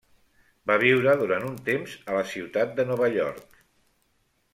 Va viure durant un temps a la ciutat de Nova York.